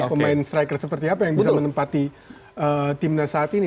pemain striker seperti apa yang bisa menempati timnas saat ini